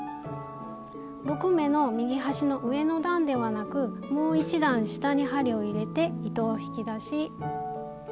６目の右端の上の段ではなくもう１段下に針を入れて糸を引き出し。